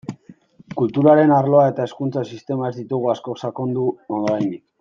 Kulturaren arloa eta hezkuntza sistema ez ditugu asko sakondu oraindik.